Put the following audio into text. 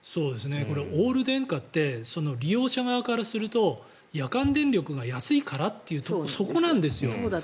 オール電化って利用者側からすると、夜間電力が安いからというそこなんですよ。